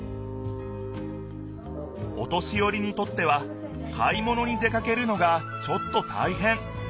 お年よりにとっては買い物に出かけるのがちょっとたいへん。